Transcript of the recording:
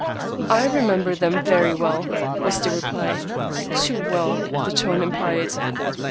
"I remember them very well," was the reply; "too well," the tone implied.